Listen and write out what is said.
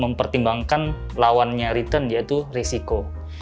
mempertimbangkan lawannya return yaitu risiko